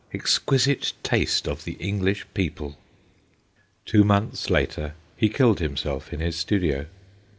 Exquisite taste of the English people/ Two months later he killed himself in his studio.